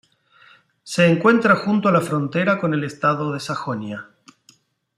Se encuentra junto a la frontera con el estado de Sajonia.